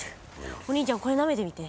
お兄ちゃんこれなめてみて。